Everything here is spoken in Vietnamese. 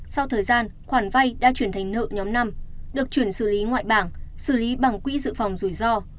sau thời gian khoản vay đã chuyển thành nợ nhóm năm được chuyển xử lý ngoại bảng xử lý bằng quỹ dự phòng rủi ro